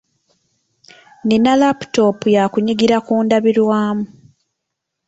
Nnina laputopu ya kunyigira ku ndabirwamu.